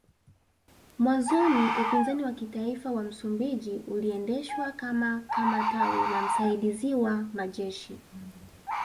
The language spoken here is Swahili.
Mwanzoni Upinzani wa Kitaifa wa Msumbiji uliendeshwa kama kama tawi la msaidiziwa majeshi